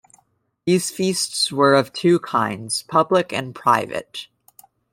These feasts were of two kinds, "public" and "private".